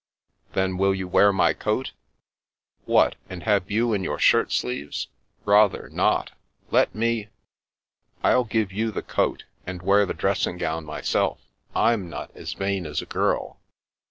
" Then will you wear my coat ?" "What! And have you in your shirt sleeves? Rather not Let me—" "I'll give you the coat and wear the dressing gown myself. Fm not as vain as a girl."